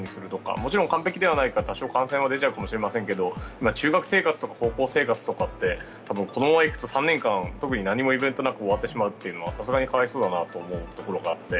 もちろん完璧ではないから多少感染が出ちゃうかもしれませんが中学生活とか高校生活って多分、このままいくと３年間、特に何もイベントなく終わってしまうのは可哀想だなと思うところがあって。